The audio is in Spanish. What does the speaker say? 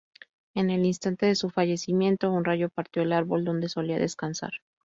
En el instante de su fallecimiento, un rayo partió el árbol donde solía descansar.